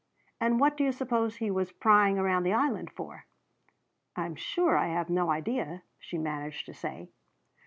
"And what do you suppose he was prying around the Island for?" "I'm sure I have no idea," she managed to say.